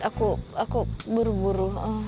aku aku buru buru